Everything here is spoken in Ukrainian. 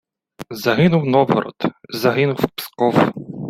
Загинув Новгород! Загинув Псков!